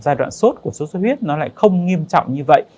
giai đoạn xuất của xuất xuất huyết nó lại không nghiêm trọng như vậy